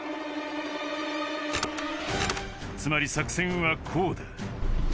つまり作戦はこうだ